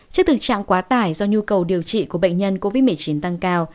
trước thực trạng quá tải do nhu cầu điều trị của bệnh nhân covid một mươi chín tăng cao